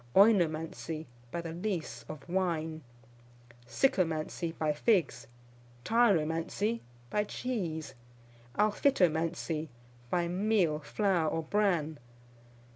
Oinomancy, by the lees of wine. Sycomancy, by figs. Tyromancy, by cheese. Alphitomancy, by meal, flour, or bran.